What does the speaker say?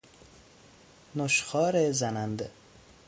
نشخوار زننده